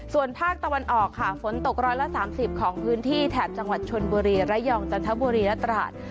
ส่วนภาคตะวันออกค่ะฝนตกร้อยละ๓๐ของพื้นที่แถบจังหวัดชนบุรีระยองจันทบุรีและตราด